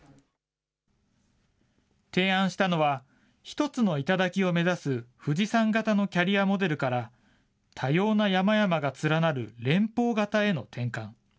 提案したのは、１つの頂を目指す富士山型のキャリアモデルから、多様な山々が連なる連峰型への転換。